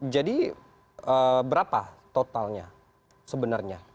jadi berapa totalnya sebenarnya